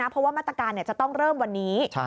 เพราะว่ามาตรการจะต้องเริ่มวันนี้